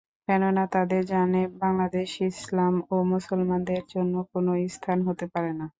কেননা তারা জানে 'বাংলাদেশ' ইসলাম ও মুসলমানদের জন্য কোন স্থান হতে পারে না।